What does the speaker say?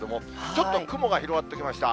ちょっと雲が広がってきました。